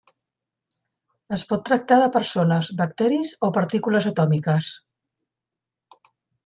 Es pot tractar de persones, bacteris o partícules atòmiques.